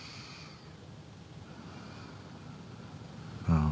ああ。